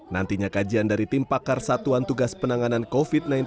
nantinya kajian dari tim pakar satuan tugas penanganan covid sembilan belas